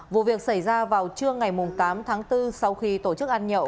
vụ việc xảy ra vào trưa ngày tám tháng bốn sau khi tổ chức ăn nhậu